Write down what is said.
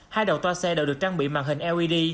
hai đầu toa xe đều được trang bị màn hình led